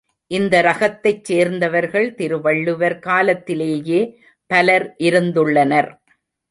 இந்த ரகத்தைச் சேர்ந்தவர்கள் திருவள்ளுவர் காலத்திலேயே பலர் இருந்துள்ளனர்.